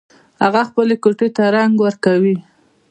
هغه خپلې کوټۍ ته رنګ ورکوي